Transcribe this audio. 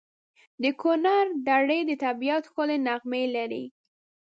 د کنړ درې د طبیعت ښکلي نغمې لري.